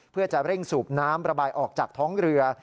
เพื่อจะเร่งสูบน้ำระบายออกจากท้องเรือ